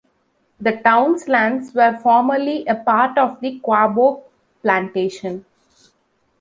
The town's lands were formerly a part of the Quaboag Plantation.